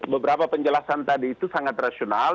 beberapa penjelasan tadi itu sangat rasional